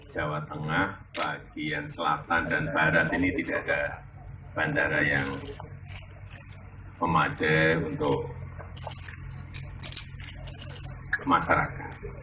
jawa tengah bagian selatan dan barat ini tidak ada bandara yang memadai untuk masyarakat